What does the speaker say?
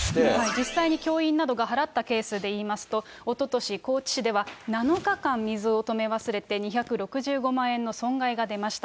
実際に教員などが払ったケースでいいますと、おととし、高知市では７日間水を止め忘れて、２６５万円の損害が出ました。